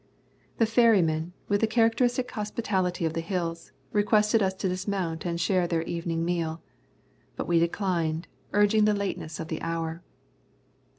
The ferrymen, with the characteristic hospitality of the Hills, requested us to dismount and share the evening meal, but we declined, urging the lateness of the hour.